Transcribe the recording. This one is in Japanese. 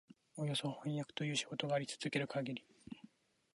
およそ飜訳という仕事があり続けるかぎり、